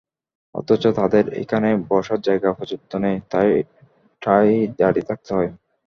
অথচ তাঁদের এখানে বসার জায়গা পর্যপ্ত নেই, ঠায় দাঁড়িয়ে থাকতে হয়।